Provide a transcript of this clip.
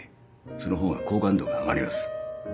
その方が好感度が上がります。